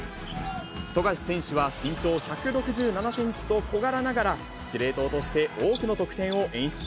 富樫選手は身長１６７センチと小柄ながら、司令塔として多くの得点を演出。